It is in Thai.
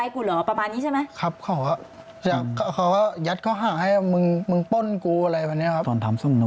ครับเขาว่ายัดเขาหาให้มึงป้นกูอะไรแบบนี้ครับ